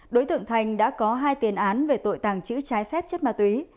đối tượng thành đã có hai tiền án về tội tàng trữ trái phép chất ma túy